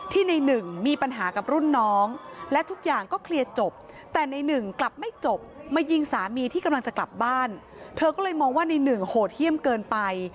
เธอก็เลยมองว่านายหนึ่งโหเที่ยมเกินไป